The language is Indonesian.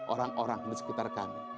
orang orang di sekitar kami